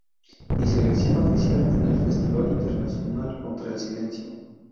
Y selección oficial en el Festival Internacional Contra el Silencio.